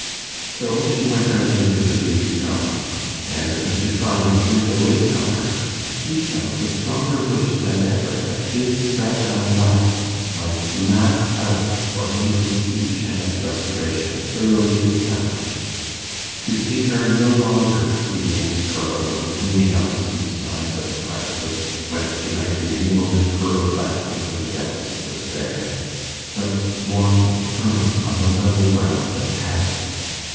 So she went out into the dewy starlight; and as Mr. Tryan turned away from her, he felt a stronger wish than ever that his fragile life might last out for him to see Janet's restoration thoroughly established to see her no longer fleeing, struggling, clinging up the steep sides of a precipice whence she might be any moment hurled back into the depths of despair, but walking firmly on the level ground of habit.